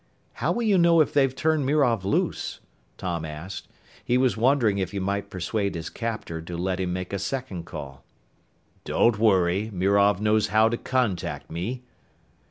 "How will you know if they've turned Mirov loose?" Tom asked. He was wondering if he might persuade his captor to let him make a second call. "Don't worry. Mirov knows how to contact me."